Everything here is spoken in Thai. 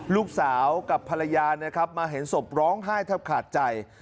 ลูกสาวกับภรรยานะครับมาเห็นศพร้องไห้แทบขาดใจ